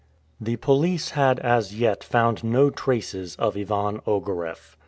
The police had as yet found no traces of Ivan Ogareff.